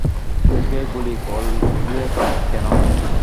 ওকে গুলি করলে কেন?